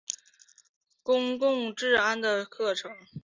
公共治安的课程。